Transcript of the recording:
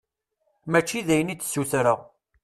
Mačči d ayen i d-sutreɣ.